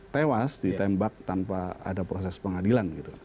tewas ditembak tanpa ada proses pengadilan gitu